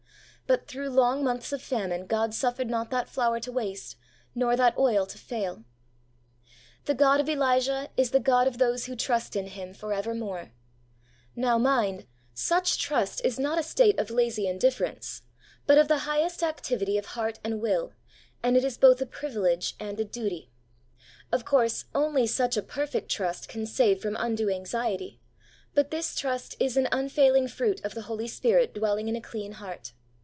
But through long months of famine God suffered not that flour to waste, nor that oil to fail. The God of Elijah is the God of those who trust in Him for evermore. Now, 76 THE WAY OF HOLINESS mind, such trust is not a state of lazy in difference, but of the highest activity of heart and will, and it is both a privilege and a duty. Of course, only such a perfect trust can save from undue anxiety, but this trust is an unfailing fruit of the Holy Spirit dwelling in a clean heart.